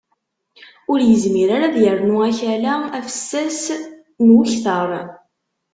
Ur yezmir ara ad yernu akala afessas n ukter.